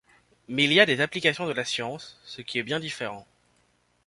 Mais il y a des applications de la science, ce qui est bien différent.